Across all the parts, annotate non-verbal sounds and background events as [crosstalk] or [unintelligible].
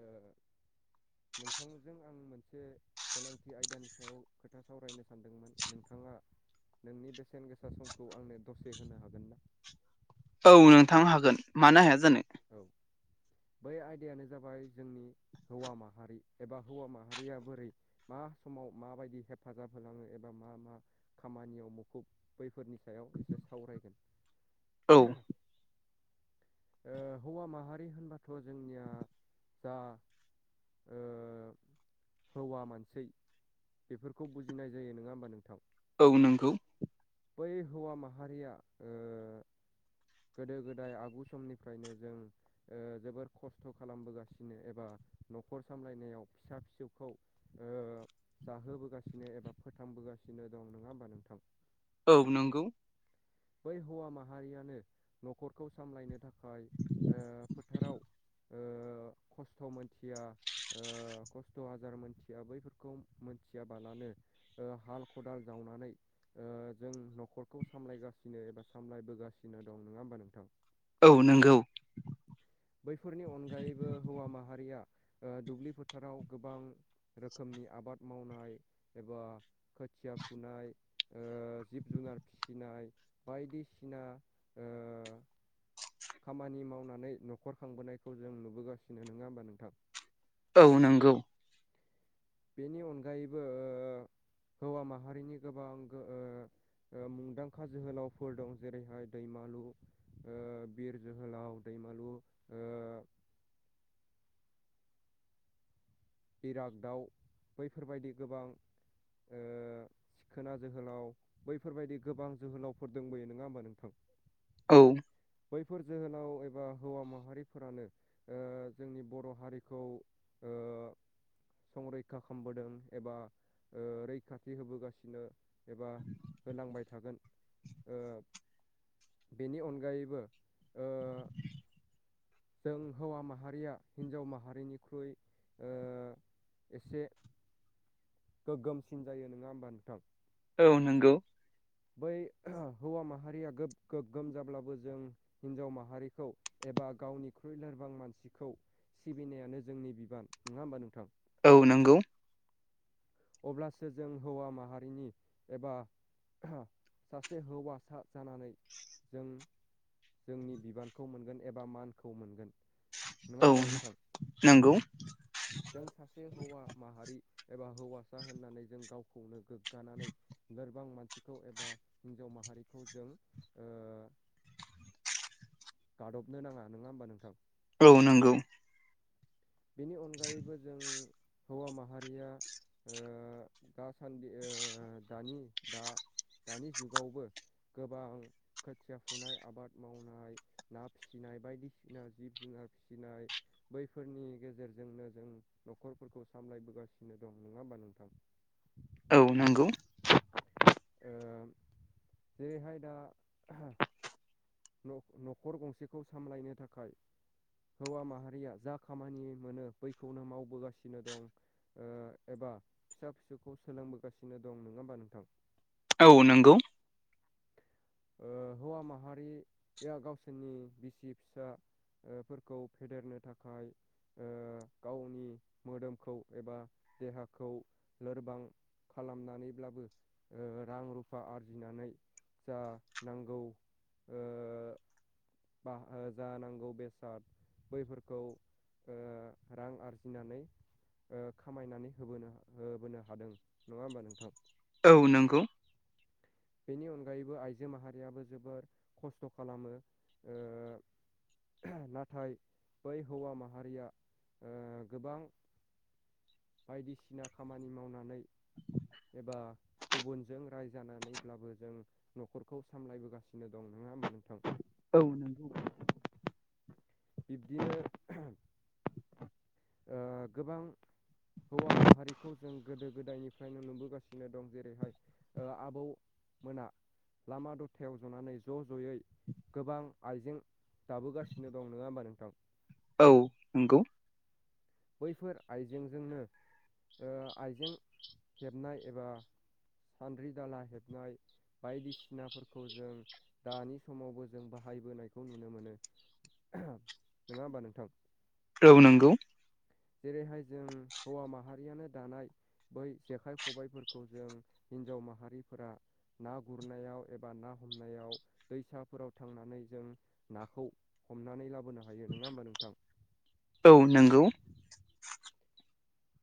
ओ नोंथांजों आं मोनसे गोनांथि आयदानि सायाव खोथा सावरायनो सानदोंमोन नोंथाङा नोंनि बेसेन गोसा समखौ आंनो दसे होनो हागोन ना? औ नोंथां हागोन मानो हाया जानो। औ बै आयदायानो जाबाय जोंनि हौवा माहारि एबा हौवा माहारिया बोरै मा समाव माबायदि हेफाजाब होलाङो एबा मा मा खामानियाव मुखुब बैफोरनि सायाव एसे सावरायगोन औ [unintelligible] ओ हौवा माहारि होनबाथ' जोंनिया जा ओ हौवा मानसै बेफोरखौ बुजिनाय जायो नङा होमबा नोंथां औ नोंगौ बै हौवा माहारिया ओ गोदो गोदाय आगु समनिफ्रायनो जों ओ जोबोर खस्थ' खालामबोगासिनो एबा न'खर सामलायनायाव फिसा फिसौखौ ओ जाहोबोगासिनो एबा फोथांबोगासिनो दं नङा होमबा नोंथां औ नोंगौ बै हौवा माहारियानो न'खरखौ सामलायनो थाखाय ओ फोथाराव ओ खस्थ' मोनथिया ओ खस्थ' आजार मोनथिया बैफोरखौ मोनथियाबालानो ओ हाल खदाल जावनानै ओ जों न'खरखौ सामलायगासिनो एबा सामलायबोगासिनो दं नङा होमबा नोंथां? औ नोंगौ [unintelligible] बैफोरनि अनगायैबो हौवा माहारिया ओ दुब्लि फोथाराव गोबां रोखोमनि आबाद मावनाय एबा खोथिया फुनाय ओ जिब जुनार फिसिनाय बायदिसिना ओ खामानि मावनानै न'खर खांबोनायखौ जों नुबोगासिनो नङा होमबा नोंथां? औ नोंगौ बेनि अनगायैबो ओ हौवा माहारिनि गोबां गो ओ ओ मुंदांखा जोहोलावफोर दं जेरैहाय दैमालु ओ बिर जोहोलाव दैमालु ओ इरागदाउ बैफोरबायदि गोबां ओ सिखोना जोहोलाव बैफोरबायदि गोबां जोहोलावफोर दंबोयो नङा होमबा नोंथां? औ बैफोर जोहोलाव एबा हौवा माहारिफोरानो ओ जोंनि बर' हारिखौ ओ संरैखा खालामबोदों एबा ओ रैखाथि होबोगासिनो एबा होलांबाय थागोन ओ बेनि अनगायैबो ओ जों हौवा माहारिया हिन्जाव माहारिनिख्रुइ ओ एसे गोगोमसिन जायो नङा होमबा नोंथां? औ नोंगौ बै [unintelligible] हौवा माहारिया गोगोगोम जाब्लाबो जों हिनजाव माहारिखौ एबा गावनिख्रुइ लोरबां मानसिखौ सिबिनायानो जोंनि बिबान नङा होमबा नोंथां औ नोंगौ अब्लासो जों हौवा माहारिनि एबा सासे हौवासा जानानै जों जोंनि बिबानखौ मोनगोन एबा मानखौ मोनगोन। नङा औ होमबा नोंथां नंगौ जों सासे हौवा माहारि एबा हौवासा होननानै जों गावखौनो गोग्गानानै लोरबां मानसि खौ एबा हिन्जाव माहारिखौ जों ओ गादबनो नाङा नङा होमबा नोंथां। औ नंगौ बेनि अनगायैबो जों हौवा माहारिया ओ दासान्दि ओ दानि दा दानि जुगावबो गोबां खोथिया फुनाय आबाद मावनाय ना फिसिनाय बायदिसिना जिब-जुनार फिसिनाय बैफोरनि गेजेरजोंनो जों न'खरफोरखौ सामलायबोगासिनो दं नङा होमा नोंथां। औ नंगौ ओ जेरैहाय दा न'-न'खर गंसेखौ सामलायनो थाखाय हौवा माहारिया जा खामानि मोनो बैखौनो मावबोगासिनो दं। ओ एबा फिसा-फिसौखौ सोलोंबोगासिनो दं नङा होमबा नोंथां। औ नंगौ हौवा माहारि गावसोरनि बिसि फिसा फोरफोरखौ फेदेरनो थाखाय ओ गावनि मोदोमखौ एबा देहाखौ लोरबां खालामनानैब्लाबो ओ रां रुफा आरजिनानै जा नांगौ ओ बा ओ जानांगौ बेसाद बैफोरखौ ओ रां आरजिनानै ओ खामायनानै होबोनो होबोनो हादों नङा होमबा नोंथां औ नंगौ बेनि अनगायैबो आइजो माहारियाबो जोबोर खस्थ' खालामो। ओ नाथाय बै हौवा माहारिया ओ गोबां बायदिसिना खामानि मावनानै एबा गुबुनजों रायजानानैब्लाबो जों न'खरखौ सामलायबोगासिनो दं नङा होमबा नोंथां। औ नंगौ बिब्दिनो ओ गोबां हौवा माहारिखौ जों गोदो-गोदायनिफ्रायनो नुबोगासिनो दं जेरैहाय आबौमोना लामा दथायाव जनानै ज' ज'यै गोबां आइजें दाबोगासिनो द नङा होमबा नोंथां औ नंगौ बैफोर आइजेंजोंनो ओ आइजें हेबनाय एबा सान्द्रि दाला हेबनाय बायदिसिनाफोरखौ जों दानि समावबो जों बाहायबोनायखौ नुनो मोनो। नङा होमबा नोंथां औ नांगौ जेरैहाय जों हौवा माहारियानो दानाय बै जेखाइ, खबाइफोरखौ जों हिन्जाव माहारिफोरा ना गुरनायाव एबा ना हमनायाव दैसाफोराव थांनानै जों नाखौ हमनानै लाबोनो हायो नङा होमबा नोंथां औ नंगौ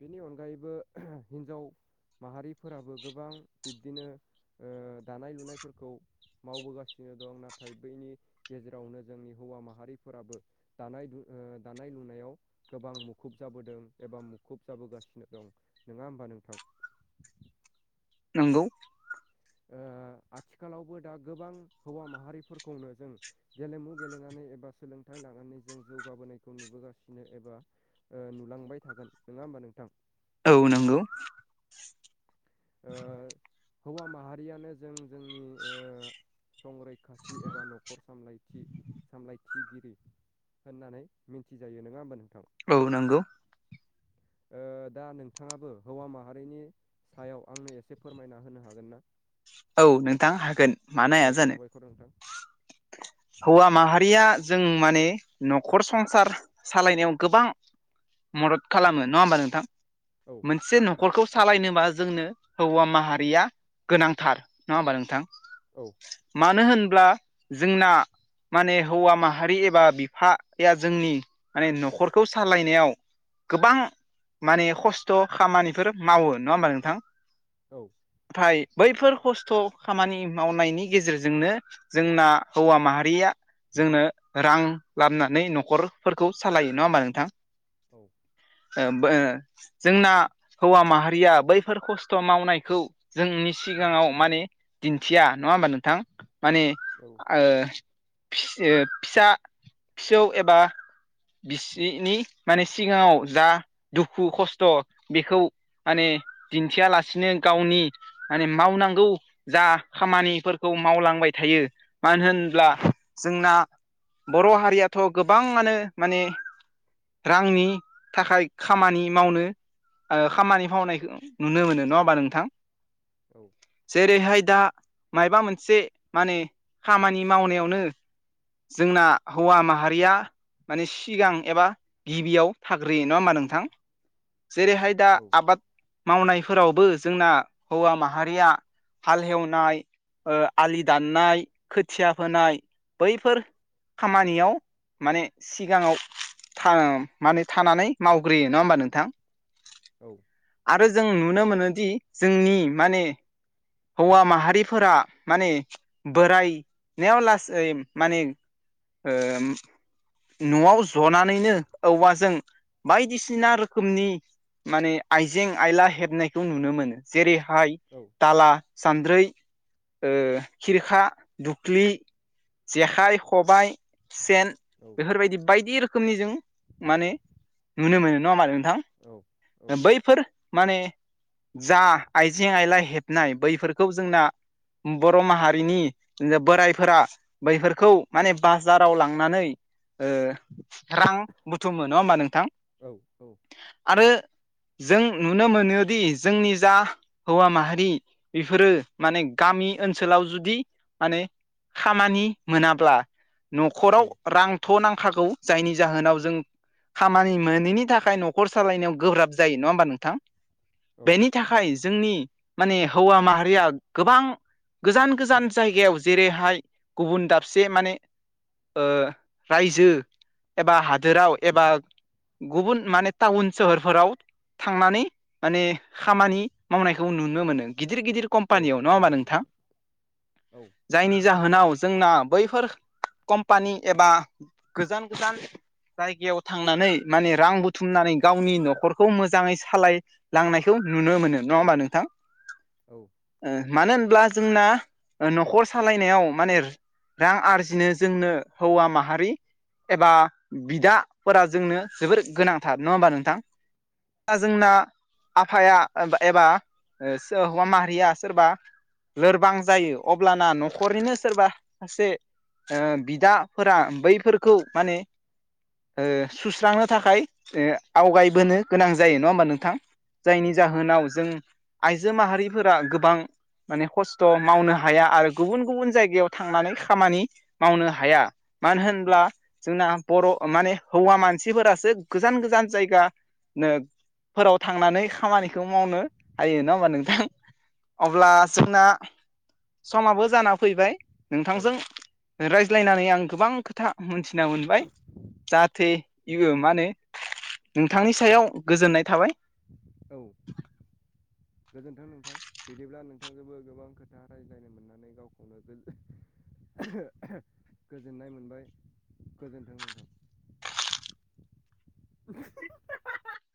बेनि अनगायैबो [unintelligible] हिनजाव माहारिफोराबो गोबां बिब्दिनो दानाय लुनायफोरखौ मावबोगासिनो दं नाथाय बैनि गेजेरावनो जोंनि हौवा माहारिफोराबो दानाय ओ दानाय लुनायाव गोबां मुखुब जाबोदों एबा मु खुब जाबोगासिनो दं नोङा होमबा नोंथां? नोंगौ। ओ आथिखालावबो दा गोबां हौवा माहारिफोरखौनो जों गेलेमु गेलेनानै एबा सोलोंथाइ लानानै जों जौगाबोनायखौ नुबोगासिनो एबा ओ नुलांबाय थागोन नोंङा होमबा नोंथां? औ नोंगौ। ओ हौवा माहारियानो जों जोंनि ओ संरैखाथि एबा न'खर सामलायथि सामलायथिगिरि होननानै मिथिजायो नोङा होमबा नोंथां? औ नोंगौ। ओ दा नोंथाङाबो हौवा माहारिनि सायाव आंनो एसे फोरमायना होनो हागोन ना? औ नोंथां हागोन मानो हाया जानो? फोरोंथों हौवा माहारिया जों माने नखर संसार सालायनायाव गोबां मदद खालामो नङा होमबा नोंथां औ मोनसे न'खरखौ सालायनोबा जोंनो हौवा माहारिया गोनांथार नङा होमबा नोंथां? औ मानो होनब्ला जोंना माने हौवा माहारि एबा बिफा या जोंनि माने न'खरखौ सालायनायाव गोबां माने खस्थ' खामानिफोर मावो नङा होमबा नोंथां? औ नाथाय बैफोर खस्थ' खामानि मावनायनि गेजेरजोंनो जोंना हौवा माहारि रिया जोंनो रां लाबोनानै न'खरफोरखौ सालायो नङा होमबा नोंथां? औ [unintelligible] जोंना हौवा माहारिया बैफोर खस्थ' मावनायखौ जोंनि सिगाङाव माने दिन्थिया नङा होमबा नोंथां माने औ ओ फि-फिसा फिसौ एबा बिसिनि माने सिगाङाव जा दुखु खस्थ' बेखौ माने दिन्थियालासिनो गावनि माने मावनांगौ जा खामानिफोरखौ मावलांबाय थायो मानो होनब्ला जोंना बर' हारियाथ' गोबाङानो माने रांनि थाखाय खामानि मावनो ओ खामानि मावनायखौ नुनो मोनो नङा होमबा नोंथां? औ जेरैहाय दा मायबा मोनसे माने खामानि मावनायावनो जोंना हौवा माहारिया माने सिगां एबा गिबियाव थाग्रोयो नङा होमबा नोंथां जेरैहाय दा आबाद मावनायफोरावबो जोंना हौवा माहारिया हाल हेवनाय ओ आलि दाननाय खोथिया फोनाय बैफोर खामानियाव माने सिगाङाव था माने थानानै मावग्रोयो नङा होमबा नोंथां? औ आरो जों नुनो मोनोदि जोंनि माने हौवा माहारिफोरा माने बोरायनायाव लासै माने न'आव जनानैनो औवाजों बायदिसिना रोखोमनि माने आइजें आयला हेबनायखौ नुनो मोनो जेरैहाय औ दाला सान्द्रै खिरखा दुख्लि जेखाय सबाइ सेेन औ बेफोरबायदि बायदि रोखोमनि जों माने नुनो मोनो नङा हमबा नोंथां औ बैफोर माने जा आइजें आइला हेबनाय बैफोरखौ जोंना बर' माहारिनि बोरायफोरा बैफोरखौ माने बाजाराव लांनानै रां बुथुमो नङा होमबा नोंथां औ औ आरो जों नुनो मोनोदि जोंनि जा हौवा माहारि बेफोरो माने गामि ओनसोलाव जुदि माने खामानि मोनाब्ला न'खराव रांथ' नांखागौ जायनि जाहोनाव जों खामानि मोनैनि थाखाय न'खर सालायनायाव गोब्राब जायो नङा होमबा नोंथां औ बेनि थाखाय जोंनि माने हौवा माहारिया गोबां गोजान गोजान जायगायाव जेरैहाय गुबुन दाबसे माने रायजो एबा हादोराव एबा गुबुन माने टाउन सोहोरफोराव थांनानै माने खामानि मावनायखौ नुनो मोनो गिदिर गिदिर औ कम्पानियाव नङा हा थारैनो नोंथां औ जायनि जाहोनाव जोंना बैफोर कम्पानि एबा गोजान गोजान जायगायाव थांनानै माने रां बुथुमनानै गावनि न'खरखौ मोजाङै सालाय लांनायखौ नुनो मोनो नङा होमबा नोंथां औ मानो होनब्ला जोंना न'खर सालायनायाव माने रां आरजिनो जोंनो हौवा माहारि एबा बिदाफोरा जोंनो जोबोर गोनांथार नङा होमबा नोंथां दा जोंना आफाया एबा सोर हौवा माहारिया सोरबा लोरबां जायो अब्लाना न'खरनिनो सोरबा सासे बिदाफोरा बैफोरखौ माने सुस्रांनो थाखाय आवगायबोनो गोनां जायो नङा होमबा नोंथां जायनि औ जाहोनाव जों आइजो माहारिफोरा गोबां माने खस्थ' मावनो हाया आरो गुबुन गुबुन जायगायाव थांनानै खामानि मावनो हाया मानो औ होनब्ला जोंना बर' माने हौवा मानसिफोरासो गोजान गोजान जायगा नो फोराव थांनानै खामानिखौ मावनो हायो नङा होमबा नोंथां अब्ला जोंना समाबो जाना फैबाय नोंथांजों औ रायज्लायनानै आं गोबां खोथा मोनथिना मोनबाय जाहाथे इ मा होनो नोंथांनि सायाव गोजोननाय थाबाय औ गोजोन्थों नोंथां बिदिब्ला नोंथांजोंबो गोबां खोथा रायज्लायनो मोननानै गावखौनो गोजोननाय मोनबाय गोजोनथों नोंथां [unintelligible]